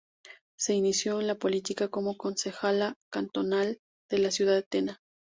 Se inició en la política como concejala cantonal de la ciudad de Tena.